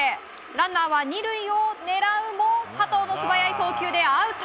ランナーは２塁を狙うも佐藤の素早い送球でアウト！